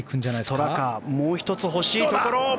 ストラカもう１つ欲しいところ。